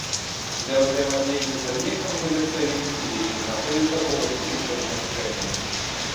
Для ўзаемадзеяння з аб'ектамі гулец павінен фізічна знаходзіцца побач з іх размяшчэннем.